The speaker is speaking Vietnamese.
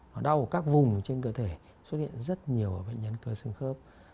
nó đau ở các vùng trên cơ thể xuất hiện rất nhiều ở bệnh nhân cơ xương khớp